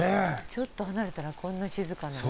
ちょっと離れたらこんな静かでね。